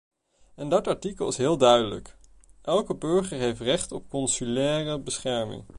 En dat artikel is heel duidelijk: elke burger heeft recht op consulaire bescherming.